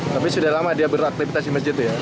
tapi sudah lama dia beraktivitas di masjid itu ya